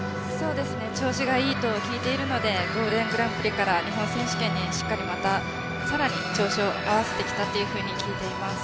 調子がいいと聞いているのでゴールデングランプリから日本選手権にさらに調子を合わせてきたと聞いています。